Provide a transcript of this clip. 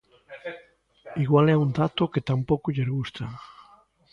Igual é un dato que tampouco lles gusta.